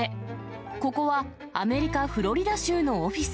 ここはアメリカ・フロリダ州のオフィス。